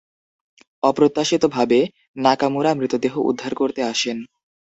অপ্রত্যাশিতভাবে, নাকামুরা মৃতদেহ উদ্ধার করতে আসেন।